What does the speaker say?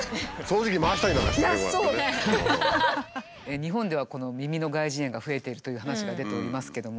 日本ではこの耳の外耳炎が増えてるという話が出ておりますけども。